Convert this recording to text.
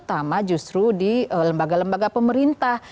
terutama justru di lembaga lembaga pemerintah